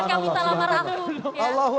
aku lamar aku lamar aku deh